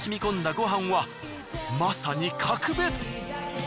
ご飯はまさに格別！